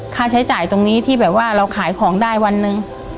ค่าใช้จ่ายตรงนี้ที่แบบว่าเราขายของได้วันหนึ่ง